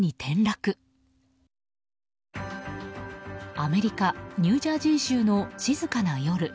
アメリカニュージャージー州の静かな夜。